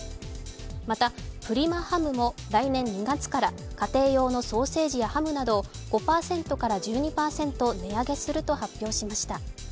また、プリマハムも来年２月から家庭用のソーセージやハムなどを５％から１２％を値上げすると発表しました。